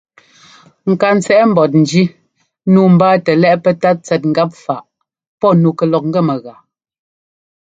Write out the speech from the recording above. Ŋkantsɛꞌ mbɔ́njí nǔu mbáatɛ lɛ́ꞌ pɛ́tát tsɛt ŋgap faꞌ pɔ́ nu kɛ lɔk ŋ́gɛ mɛgáa.